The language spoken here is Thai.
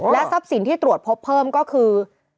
ทรัพย์สินที่ตรวจพบเพิ่มก็คือ